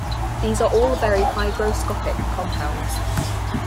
These are all very hygroscopic compounds.